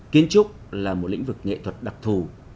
kiến trúc là một lĩnh vực nghệ thuật đặc thù